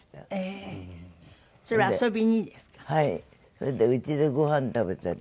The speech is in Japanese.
それでうちでごはん食べたり。